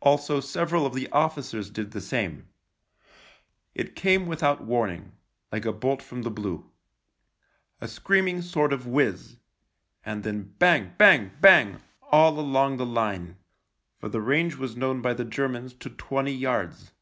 Also several of the officers did the same. It came with out warning — like a bolt from the blue. A screaming sort of whizz — and then bang, THE LIEUTENANT 2.5 bang, bang all along the line : for the range was known by the Germans to twenty yards.